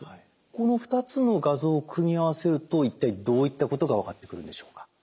この２つの画像を組み合わせると一体どういったことが分かってくるんでしょうか？